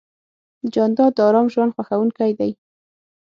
جانداد د ارام ژوند خوښوونکی دی.